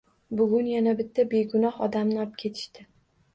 Bugun yana bitta begunoh odamni opketishdi.